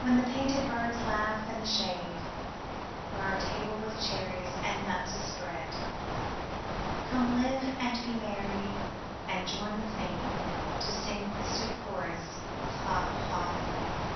When the painted birds laugh in the shade, Where our table with cherries and nuts is spread; Come live and be merry and join with me To sing the sweet chorus of "Ha, ha, he